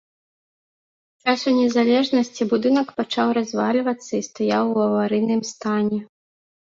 З часу незалежнасці будынак пачаў развальвацца і стаяў у аварыйным стане.